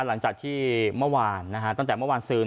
หลังจากที่เมื่อวานตั้งแต่เมื่อวานซื้อ